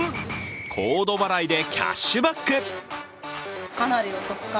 コード払いでキャッシュバック。